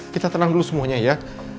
kita tenang dulu semuanya ya